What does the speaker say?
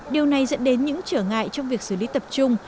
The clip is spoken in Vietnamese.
điều này dẫn đến những trở ngại trong việc xử lý tập trung